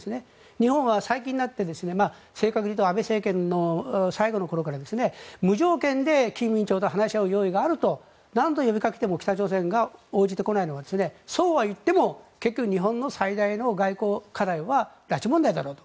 日本は最近になって正確に言うと安倍政権の最後の頃から無条件で金委員長と話し合う用意があると何度呼びかけても北朝鮮が応じこてないのはそうはいっても結局日本の最大の外交課題は拉致問題だろうと。